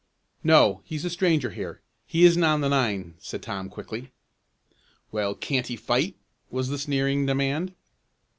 "No, he's a stranger here he isn't on the nine," said Tom quickly. "Well, can't he fight?" was the sneering demand.